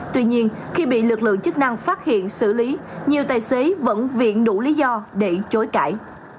tuy nhiên khi bị lực lượng chức năng phát hiện xử lý nhiều tài xế vẫn viện đủ lý do để chối cãi